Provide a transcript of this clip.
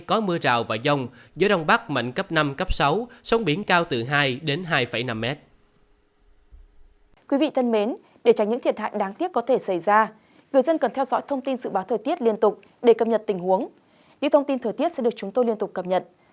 có mưa rào và dòng gió đông bắc mạnh cấp năm sáu sông biển cao từ hai hai năm m